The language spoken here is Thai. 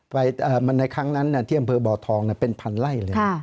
ในครั้งนั้นที่อำเภอบ่อทองเป็นพันไล่เลย